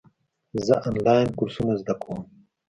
زه آنلاین کورسونه زده کوم.